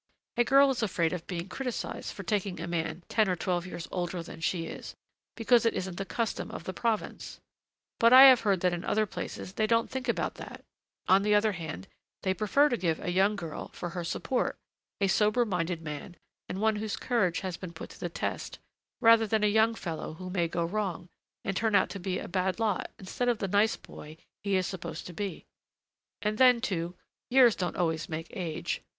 a girl is afraid of being criticised for taking a man ten or twelve years older than she is, because it isn't the custom of the province; but I have heard that in other places they don't think about that; on the other hand, they prefer to give a young girl, for her support, a sober minded man and one whose courage has been put to the test, rather than a young fellow who may go wrong, and turn out to be a bad lot instead of the nice boy he is supposed to be. And then, too, years don't always make age.